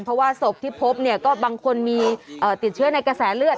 เพราะว่าศพที่พบเนี่ยก็บางคนมีติดเชื้อในกระแสเลือด